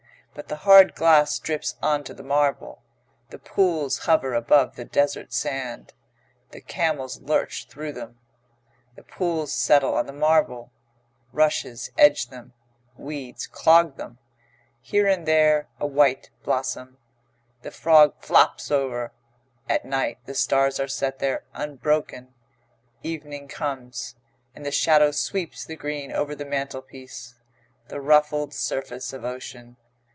But the hard glass drips on to the marble; the pools hover above the dessert sand; the camels lurch through them; the pools settle on the marble; rushes edge them; weeds clog them; here and there a white blossom; the frog flops over; at night the stars are set there unbroken. Evening comes, and the shadow sweeps the green over the mantelpiece; the ruffled surface of ocean.